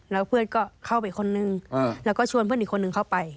แล้วเพื่อนก็เข้าไปคนนึงแล้วก็ชวนเพื่อนอีกคนนึงเข้าไป